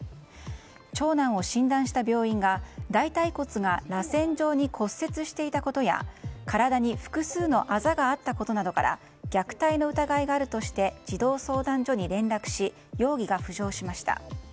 長男を診断した病院が大たい骨が、らせん状に骨折していたことや体に複数のあざがあったことなどから虐待の疑いがあるとして児童相談所に連絡し容疑が浮上しました。